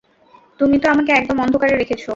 তুমি তো আমাকে একদম অন্ধকারে রেখেছ!